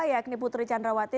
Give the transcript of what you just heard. yakni putri candrawati